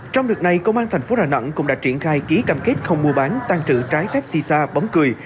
trong lượt này công an thành phố rà nẵng cũng đã triển khai ký cam kết không mua bán tăng trữ trái phép si sa bóng cười